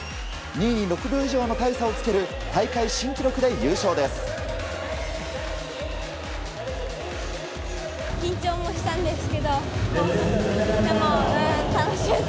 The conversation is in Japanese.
２位に６秒以上の大差をつける大会新記録で優勝です。